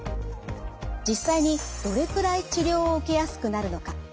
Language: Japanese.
実際にどれくらい治療を受けやすくなるのか。